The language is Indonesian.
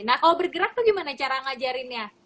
nah kalau bergerak tuh gimana cara ngajarinnya